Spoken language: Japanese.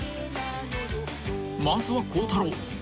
［まずは孝太郎］